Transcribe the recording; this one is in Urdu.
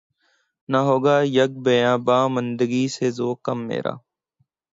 نہ ہوگا یک بیاباں ماندگی سے ذوق کم میرا